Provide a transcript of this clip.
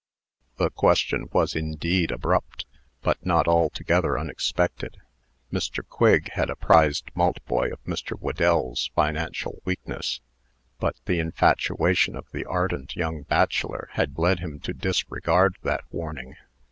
The question was indeed abrupt, but not altogether unexpected. Mr. Quigg had apprised Maltboy of Mr. Whedell's financial weakness; but the infatuation of the ardent young bachelor had led him to disregard that warning.